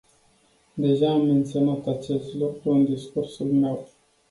Deja am menționat acest lucru în discursul meu.